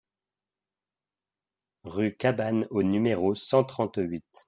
Rue Cabanes au numéro cent trente-huit